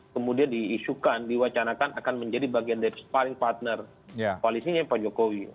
kemudian diisukan diwacanakan akan menjadi bagian dari paling partner koalisinya pak jokowi